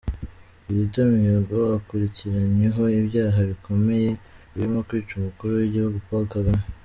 Kizito Mihigo ukurikiranyweho ibyaha bikomeye birimo kwica umukuru w’ igihugu Paul Kagame